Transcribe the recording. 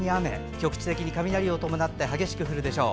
局地的に雷を伴って激しく降るでしょう。